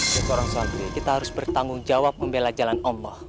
seorang suami kita harus bertanggung jawab membela jalan allah